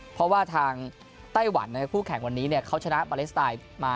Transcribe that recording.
เพราะว่าทางไต้หวันคู่แข่งวันนี้เขาชนะปาเลสไตน์มา